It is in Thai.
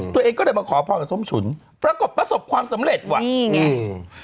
ตัวเองก็เลยมาขอพรกับส้มฉุนปรากฏประสบความสำเร็จว่ะนี่ไงอืม